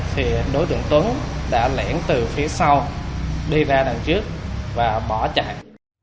thì đối tượng tuấn đã lẻn từ phía sau đi ra đằng trước và bỏ chạy